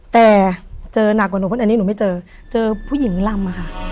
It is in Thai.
แต่เจอหนักกว่านี่หนูไม่เจอเจอผู้หญิงลำอะค่ะ